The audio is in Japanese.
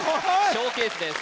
ショーケースです